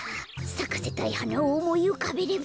さかせたいはなをおもいうかべれば。